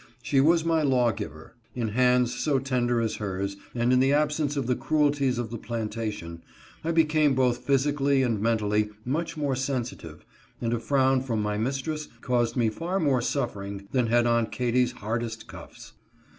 She was my law giver. In hands so tender as hers, and in the \ absence of the cruelties of the plantation, I became both J physically and mentally much more sensitive, and a frown from my mistress caused me far more suffering than had Aunt Katy's hardest cuffs.